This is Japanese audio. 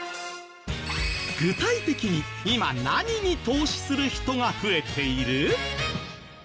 具体的に今何に投資する人が増えている？